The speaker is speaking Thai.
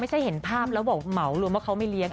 เห็นภาพแล้วบอกเหมารวมว่าเขาไม่เลี้ยง